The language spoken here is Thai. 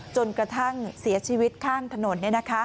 จนกระทั่งเสียชีวิตข้างถนน